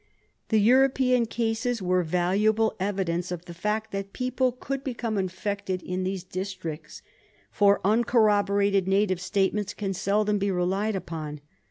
The European cases were valuable evi SLEEPING SICKNESS 43 dence of the fact that people could become infected in these districts, for uncorroborated native statements can seldom be relied upon.